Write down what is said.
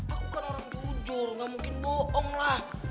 aku kan orang jujur gak mungkin bohong lah